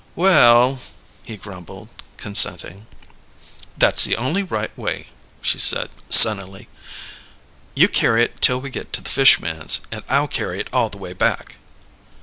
"Well " he grumbled, consenting. "That's the only right way," she said sunnily. "You carry it till we get to the fish man's, and I'll carry it all the way back."